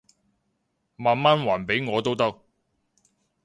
慢慢還返畀我都得